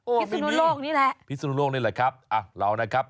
โอ้ไม่มีปริศนโลกนี่แหละปริศนโลกนี่แหละครับอะเรานะครับ